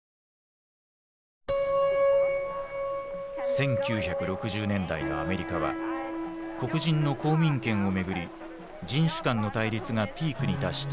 １９６０年代のアメリカは黒人の公民権をめぐり人種間の対立がピークに達した時代だった。